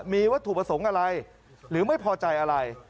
มีวัตถุประสงค์อะไรหรือไม่พอใจอะไร